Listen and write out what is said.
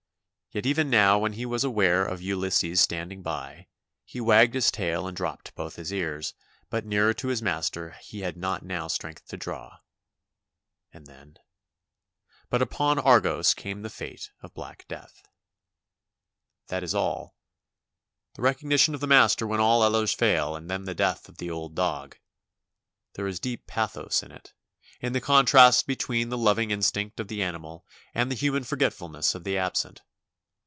Yet even now when he was aware of Ulysses standing by, he wagged his tail and dropped both his ears, but nearer to his master he had not now strength to draw. * But upon Argos came the fate of black death. 282 DIVERSIONS OF A CONVALESCENT That is all. The recognition of the master when all others fail and then the death of the old dog. There is deep pathos in it, in the contrast between the loving instinct of the animal and the human forgetfulness of the absent.